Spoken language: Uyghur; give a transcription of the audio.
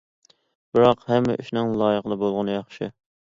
بىراق ھەممە ئىشنىڭ لايىقىدا بولغىنى ياخشى.